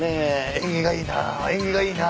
縁起がいいな縁起がいいな。